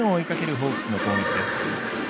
ホークスの攻撃です。